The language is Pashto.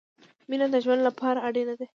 مينه د ژوند له پاره اړينه ده